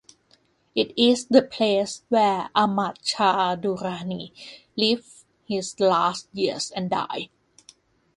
It is the place where Ahmad Shah Durani lived his last years and died.